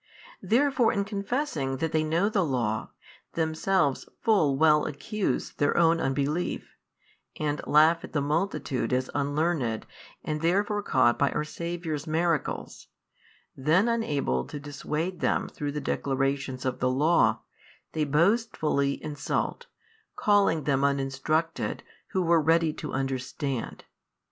Therefore in confessing that they know the Law, themselves full well accuse their own unbelief, and laugh at the multitude as unlearned and therefore caught by our Saviour's miracles, then unable to dissuade them through the declarations of the Law, they boastfully insult, calling them uninstructed who were ready to understand.